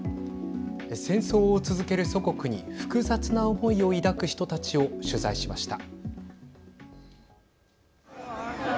戦争を続ける祖国に複雑な思いを抱く人たちを取材しました。